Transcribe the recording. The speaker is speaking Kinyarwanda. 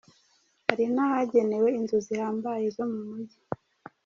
Hari n’ahagenewe inzu zihambaye zo mu mujyi.